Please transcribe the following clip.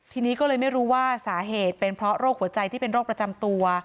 ทีนี้ก็เลยไม่รู้ว่าสาเหตุเป็นเพราะโรคหัวใจที่เป็นโรคประจำตัว